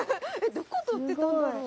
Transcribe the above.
どこ撮ってたんだろう？